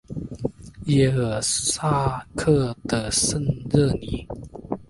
耶尔萨克的圣热尼。